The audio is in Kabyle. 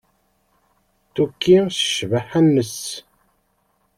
Tuki s ccbaḥa-nnes.